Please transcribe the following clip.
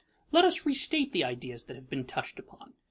_ Let us restate the ideas that have been touched upon.